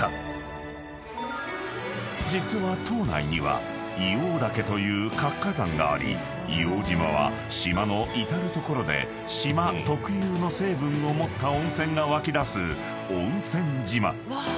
［実は島内には硫黄岳という活火山があり硫黄島は島の至る所で島特有の成分を持った温泉が湧き出す温泉島］